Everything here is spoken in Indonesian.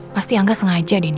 pasti angga sengaja denny